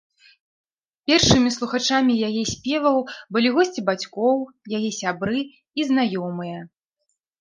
Першымі слухачамі яе спеваў былі госці бацькоў, яе сябры і знаёмыя.